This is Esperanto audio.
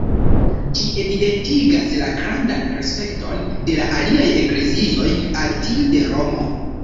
Ĝi evidentigas la grandan respekton de la aliaj eklezioj al tiu de Romo.